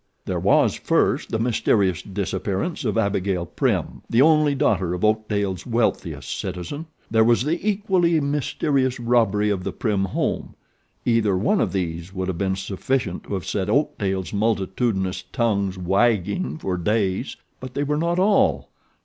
There was, first, the mysterious disappearance of Abigail Prim, the only daughter of Oakdale's wealthiest citizen; there was the equally mysterious robbery of the Prim home. Either one of these would have been sufficient to have set Oakdale's multitudinous tongues wagging for days; but they were not all.